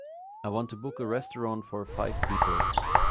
I want to book a restaurant for five people.